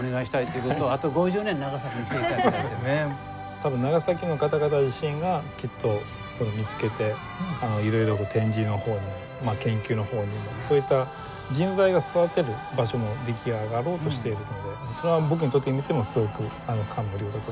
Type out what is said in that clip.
多分長崎の方々自身がきっとそれを見つけていろいろ展示の方にも研究の方にもそういった人材を育てる場所も出来上がろうとしているのでそれは僕にとってみてもすごく感無量だと。